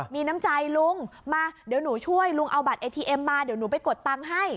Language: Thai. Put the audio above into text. มีน้ำใจลุงมาเดี๋ยวหนูช่วยลุงเอาบัตรเอทีเอ็มมาเดี๋ยวหนูไปกดตังค์ให้